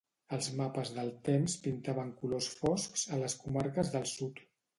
Els mapes del temps pintaven colors foscs a les comarques del sud.